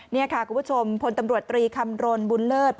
นี่ค่ะคุณผู้ชมพลตำรวจตรีคำรณบุญเลิศ